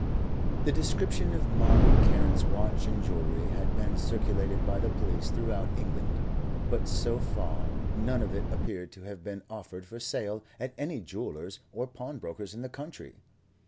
The description of Margaret Carne's watch and jewellery had been circulated by the police throughout England, but so far none of it appeared to have been offered for sale at any jeweller's or pawnbroker's in the country.